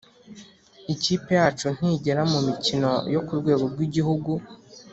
ikipe yacu ntigera mu mikino yo ku rwego rw’igihugu